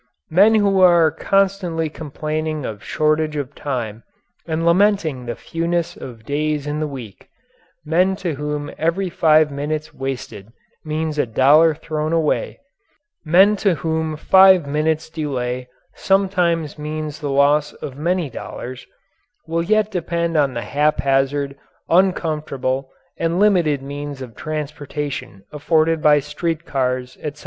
Men who are constantly complaining of shortage of time and lamenting the fewness of days in the week men to whom every five minutes wasted means a dollar thrown away men to whom five minutes' delay sometimes means the loss of many dollars will yet depend on the haphazard, uncomfortable, and limited means of transportation afforded by street cars, etc.